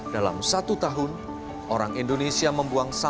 dalam satu tahun orang indonesia membuang sampah